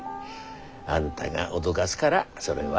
あんだが脅かすがらそれは。